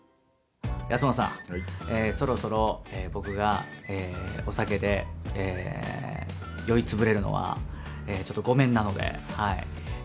安元さん、そろそろ僕がお酒で酔いつぶれるのはちょっとごめんなので、はい。